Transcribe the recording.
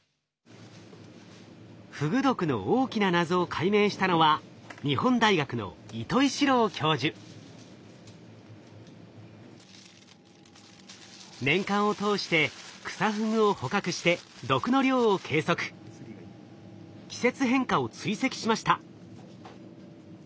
フグ毒の大きな謎を解明したのは日本大学の年間を通してクサフグを捕獲して季節変化を追跡しました。